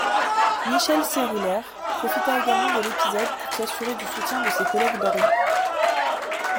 Michel Cérulaire profita également de l’épisode pour s’assurer du soutien de ses collègues d’Orient.